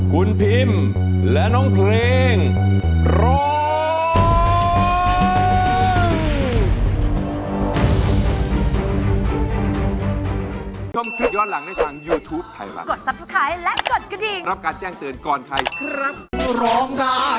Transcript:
คุณพิมและน้องเพลงร้อง